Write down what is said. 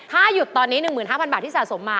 ถ้าหยุดตอนนี้๑๕๐๐บาทที่สะสมมา